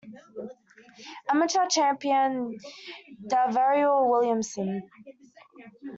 Amateur Champion DaVarryl Williamson.